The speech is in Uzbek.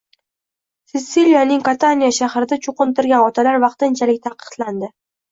Sitsiliyaning Kataniya shahrida cho‘qintirgan otalar vaqtinchalik taqiqlandi